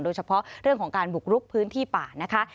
โดยเฉพาะเรื่องของการบุกรุกพื้นที่ป่านะคะ